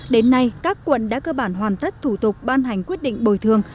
đến nay các quận đã cơ bản hoàn tất thủ tục ban hành quyết định bồi thường